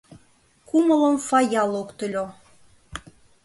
Кумылым Фая локтыльо.